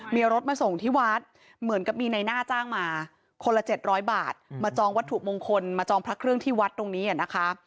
มีรถมาส่งที่วัดเหมือนกับมีในหน้าจ้างมาคนละ๗๐๐บาทมาจองวัตถุมงคลมาจองพระเครื่องที่วัดตรงนี้นะคะ